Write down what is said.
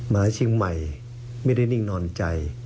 มาเชียงใหม่ไม่ได้นิ่งนอนใจ